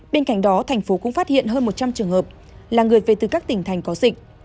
bên cạnh đó thành phố cũng phát hiện hơn một trăm linh trường hợp là người về từ các tỉnh thành có dịch